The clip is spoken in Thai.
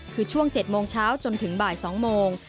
คือช่วง๗โมงเช้าจนถึงบ่าย๒โมง